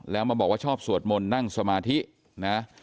แล้วมาบอกว่าชอบสวดมนต์นั่งสมาธินะ